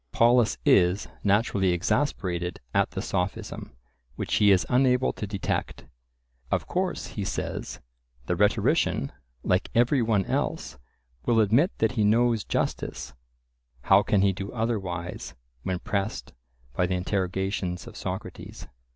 Polus is naturally exasperated at the sophism, which he is unable to detect; of course, he says, the rhetorician, like every one else, will admit that he knows justice (how can he do otherwise when pressed by the interrogations of Socrates?)